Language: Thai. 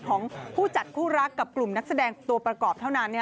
ของผู้จัดคู่รักกับกลุ่มนักแสดงตัวประกอบเท่านั้น